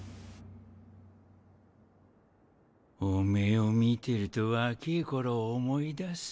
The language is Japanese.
おめぇを見てると若ぇ頃を思い出す。